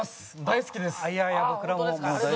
大好きです！